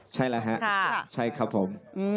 ใช่หรอฮะใช่ครับผม